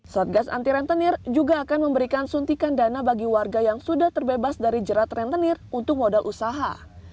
satgas anti rentenir juga akan memberikan suntikan dana bagi warga yang sudah terbebas dari jerat rentenir untuk modal usaha